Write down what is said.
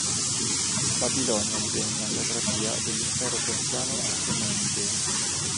Babilonia divenne una satrapia dell'Impero persiano achemenide.